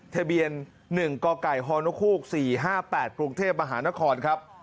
ทะเบียน๑กกฮนค๔๕๘กรุงเทพมหานครครับ